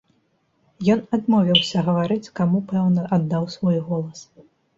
Ён адмовіўся гаварыць, каму пэўна аддаў свой голас.